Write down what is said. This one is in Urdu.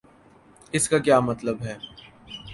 اس کا کیا مطلب ہے؟